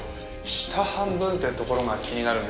下半分ってところが気になるんですよね。